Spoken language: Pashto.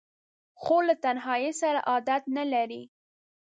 خور له تنهایۍ سره عادت نه لري.